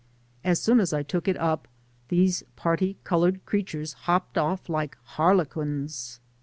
As soon as I took it up, these parti coloured creatures hopped off like har lequins.